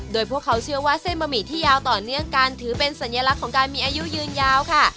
โดยพวกเขาเชื่อว่าเส้นบะหมี่ที่ยาวต่อเนื่องกันถือเป็นสัญลักษณ์ของการมีอายุยืนยาวค่ะ